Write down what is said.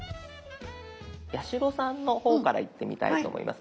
八代さんの方からいってみたいと思います。